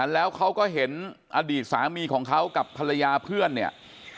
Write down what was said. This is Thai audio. แล้วเขาก็เห็นอดีตสามีของเขากับภรรยาเพื่อนเนี่ย